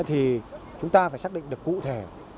thì chúng ta phải xác định được cụ thể